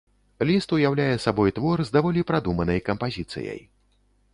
Ліст ўяўляе сабой твор з даволі прадуманай кампазіцыяй.